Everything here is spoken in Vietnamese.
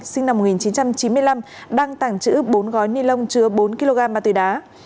sinh năm một nghìn chín trăm chín mươi năm đăng tảng chữ bốn gói ni lông chứa bốn kg ma túy đá